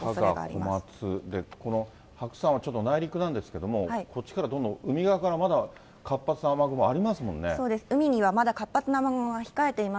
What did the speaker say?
こまつ、この白山はちょっと内陸なんですけれども、こっちからどんどん、海側からまだ活発な雨雲、ありますもんね。